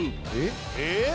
「えっ？」